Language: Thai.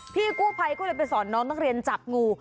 พี่กู้ภัยก็เลยไปสอนน้องนักเรียนจับงู